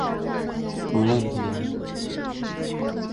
无神论者是指不相信神的人。